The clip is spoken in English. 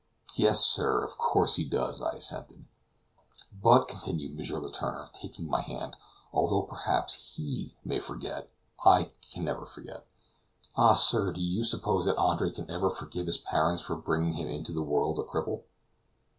"Yes, sir, of course he does," I assented. "But," continued M. Letourneur, taking my hand, "although, perhaps, HE may forget, I can never forget. Ah, sir, do you suppose that Andre can ever forgive his parents for bringing him into the world a cripple?"